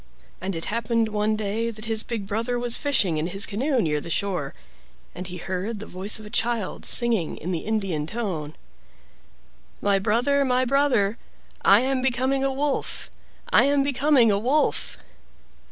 And it happened one day that his big brother was fishing in his canoe near the shore, and he heard the voice of a child singing in the Indian tone: "My brother, my brother! I am becoming a wolf, I am becoming a wolf!"